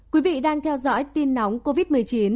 quý vị đang theo dõi tin nóng covid một mươi chín